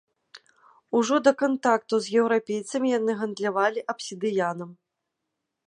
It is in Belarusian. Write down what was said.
Ужо да кантактаў з еўрапейцамі яны гандлявалі абсідыянам.